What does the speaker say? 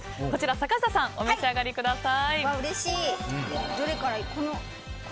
坂下さん、お召し上がりください。